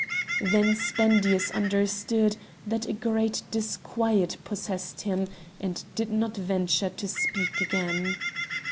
Then Spendius understood that a great disquiet possessed him, and did not venture to speak again.